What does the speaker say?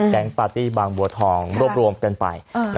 ปาร์ตี้บางบัวทองรวบรวมกันไป